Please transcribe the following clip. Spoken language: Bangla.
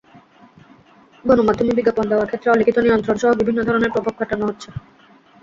গণমাধ্যমে বিজ্ঞাপন দেওয়ার ক্ষেত্রে অলিখিত নিয়ন্ত্রণসহ বিভিন্ন ধরনের প্রভাব খাটানো হচ্ছে।